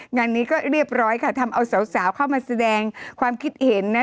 งานนี้ก็เรียบร้อยค่ะทำเอาสาวเข้ามาแสดงความคิดเห็นนะ